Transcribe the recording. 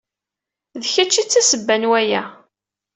D kecc ay d tasebba n waya.